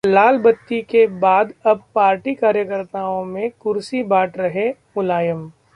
लाल बत्ती के बाद अब पार्टी कार्यकर्ताओं में 'कुर्सी' बांट रहे मुलायम